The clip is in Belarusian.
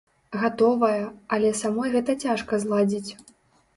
Гатовая, але самой гэта цяжка зладзіць.